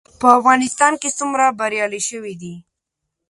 په افغانستان کې څومره بریالي شوي دي؟